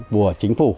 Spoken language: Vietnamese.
của chính phủ